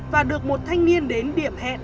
và được một thanh niên đến điểm hẹn